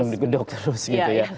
betul sedang digodok terus gitu ya